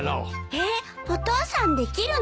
えっお父さんできるの？